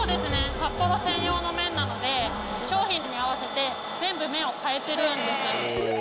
札幌専用の麺なので、商品に合わせて全部麺を変えてるんです。